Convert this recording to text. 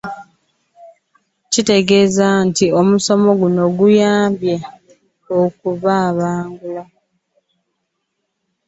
Ategeezezza nti omusomo guno gubayambye okubabangula.